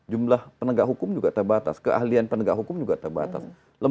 jumlah penegak hukum juga terbatas keahlian penegak hukum juga terbatas